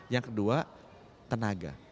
yang kedua tenaga